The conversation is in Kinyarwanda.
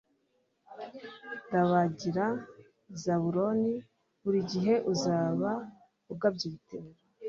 dabagira, zabuloni, buri gihe uzaba ugabye ibitero